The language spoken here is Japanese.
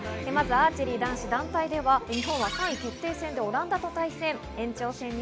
まずアーチェリー男子団体では日本は３位決定戦でオランダと対戦。